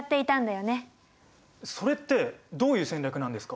それってどういう戦略なんですか？